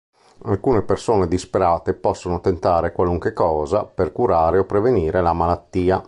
Alcune persone disperate possono tentare qualunque cosa per curare o prevenire la malattia.